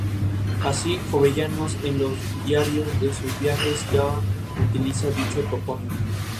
Así, Jovellanos en los diarios de sus viajes ya utiliza dicho topónimo.